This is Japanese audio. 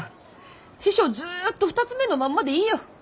師匠ずっと二ツ目のまんまでいいよ。